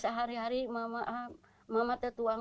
sehari hari mama tertuang